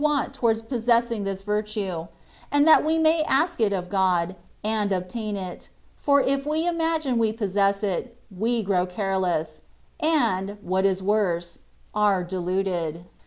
197 want towards possessing this virtue, and that we may ask it of God, and obtain it; for if we imagine we possess it, we grow careless, and (what is worse) are deluded.